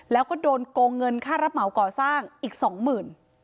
แล้วก็โดนโกงเงินค่ารับเหมาก่อสร้างอีกสองหมื่น